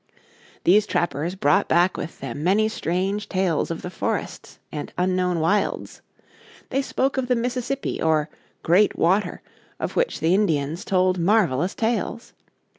These trappers brought back with them many strange tales of the forests and unknown wilds. They spoke of the Mississippi or "great water" of which the Indians told marvelous tales.